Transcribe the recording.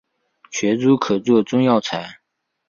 全株可做中药材。